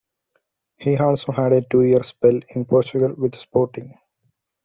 He also had a two-year spell in Portugal with Sporting.